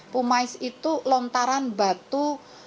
pumais itu lontaran batu